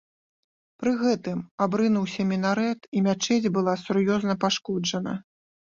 Пры гэтым абрынуўся мінарэт і мячэць была сур'ёзна пашкоджана.